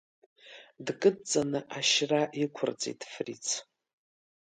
Дкыдҵаны ашьра иқәырҵеит Фриц!